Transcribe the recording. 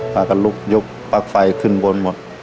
ปากกระลุกยบปากไฟขึ้นบนหมด